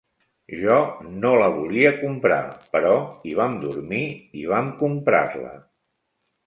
Jo no la volia comprar, però hi vam dormir i vam comprar-la